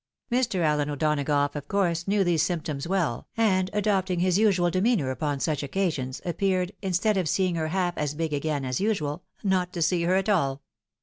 Mr. Allen O'Donagough of course knew these symptoms well, and adopting his usual demeanour upon such occasions, appeared, instead of seeing her half as big again as usual, not to see her at all.